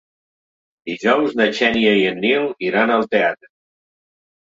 Dijous na Xènia i en Nil iran al teatre.